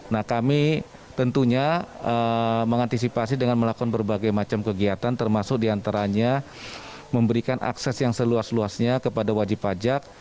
nah kami tentunya mengantisipasi dengan melakukan berbagai macam kegiatan termasuk diantaranya memberikan akses yang seluas luasnya kepada wajib pajak